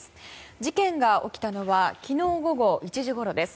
事件が起きたのは昨日午後１時ごろです。